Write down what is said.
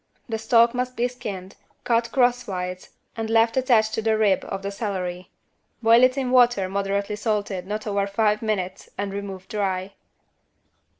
The stalk must be skinned, cut crosswise and left attached to the rib of the celery. Boil it in water moderately salted not over five minutes and remove dry.